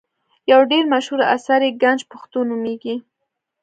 یو ډېر مشهور اثر یې ګنج پښتو نومیږي.